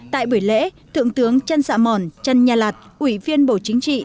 tại buổi lễ thượng tướng trân dạ mòn trân nha lạt ủy viên bộ chính trị